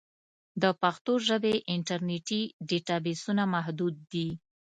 د پښتو ژبې انټرنیټي ډیټابېسونه محدود دي.